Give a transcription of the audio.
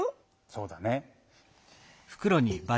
そうだね。